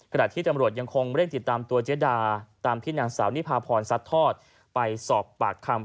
ขณะที่ตำรวจยังคงเร่งติดตามตัวเจ๊ดาตามที่นางสาวนิพาพรซัดทอดไปสอบปากคำ